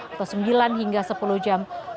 atau sembilan hingga sepuluh hari nanti